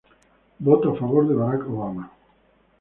Votó a favor de Barack Obama.